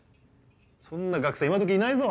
そんな学生今どきいないぞ。